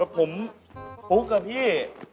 ผมผูกกับพี่